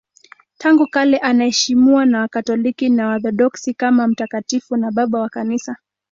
Tangu kale anaheshimiwa na Wakatoliki na Waorthodoksi kama mtakatifu na Baba wa Kanisa.